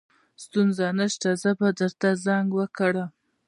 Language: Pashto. ستونزه نشته زه به درته زنګ وکړم